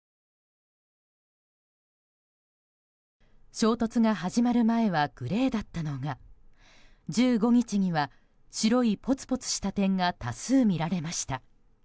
衝突が始まる前はグレーだったのが１５日には白いポツポツした点が多数見られました。